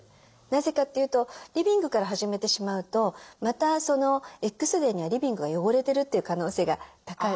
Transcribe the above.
なぜかというとリビングから始めてしまうとまたそのＸデーにはリビングが汚れてるという可能性が高いわけですね。